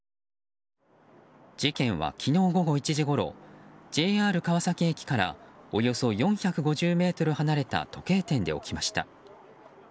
事件は、昨日午後１時ごろＪＲ川崎駅からおよそ４５０ｍ離れた時計店で起きました。